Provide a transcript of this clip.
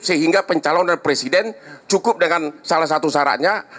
sehingga pencalonan presiden cukup dengan salah satu syaratnya